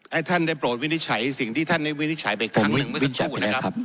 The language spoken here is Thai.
ให้ท่านได้โปรดวินิจฉัยสิ่งที่ท่านได้วินิจฉัยไปทั้งหนึ่งไม่สักพูดนะครับผมวินิจฉัยแล้วครับ